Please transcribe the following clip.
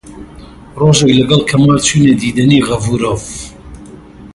ڕۆژێک لەگەڵ کەمال چووینە دیدەنی غەفوورۆف